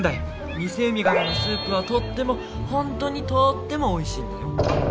ニセウミガメのスープはとっても本当にとってもおいしいんだよ。